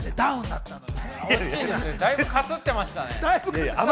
だいぶかすってましたね。